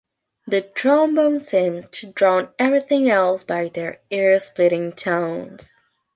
The trombones seemed to drown everything else by their ear-splitting tones.